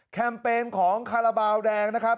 แคมเปญของคาราบาลแดงนะครับ